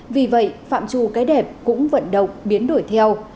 vì vậy phạm trù cái đẹp cũng vận động biến đổi theo